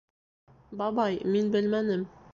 — Бабай, мин белмәнем...